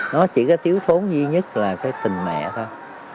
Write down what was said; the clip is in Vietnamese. nó chỉ có thiếu thốn duy nhất là cái tình mẹ thôi